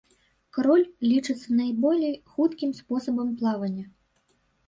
Кроль лічыцца найболей хуткім спосабам плавання.